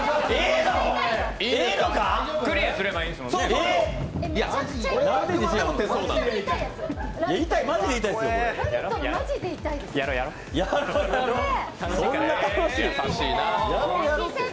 クリアすればいいんですもんね。